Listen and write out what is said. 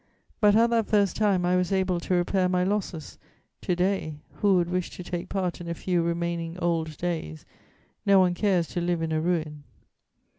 But, at that first time, I was able to repair my losses; to day, who would wish to take part in a few remaining old days? No one cares to live in a ruin.